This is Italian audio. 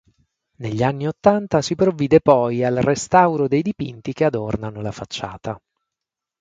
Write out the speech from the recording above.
Negli anni ottanta si provvide poi al restauro dei dipinti che adornano la facciata.